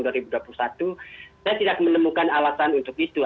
saya tidak menemukan alasan untuk itu